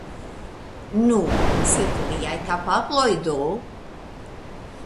Nu, sed liaj kapabloj do?